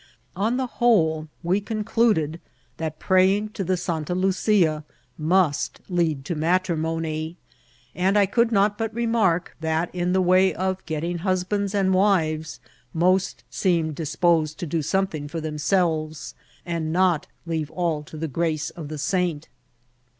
On the whole, we con eluded that jMraying to th^ Santa Lucia must lead to matrimony ; and I could not but remark that, in the way of getting husbands and wives, most seemed dis posed to do something for themselves, and not leave all to the grace of the saint.